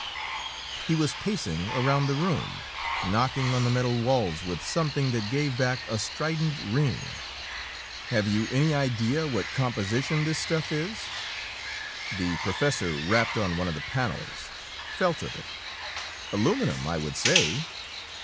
He was pacing around the room, knocking on the metal walls with something that gave back a strident ring. "Have you any idea what composition this stuff is?" The professor rapped on one of the panels; felt of it. "Aluminum, I would say."